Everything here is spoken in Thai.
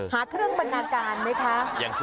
หาเครื่องบรรณาการไหมคะ